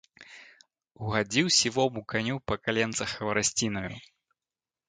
Угадзіў сівому каню па каленцах хварасцінаю.